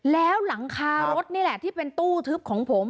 แล้วหลังคารถนี่แหละที่เป็นตู้ทึบของผม